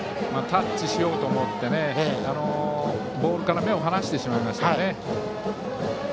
タッチしようと思ってボールから目を離してしまいましたね。